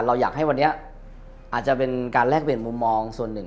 เราอยากให้วันนี้อาจจะเป็นการแลกเปลี่ยนมุมมองส่วนหนึ่ง